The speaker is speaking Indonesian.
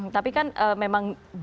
tapi kan memang